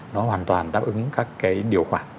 nó hoàn toàn đáp ứng các cái điều khoản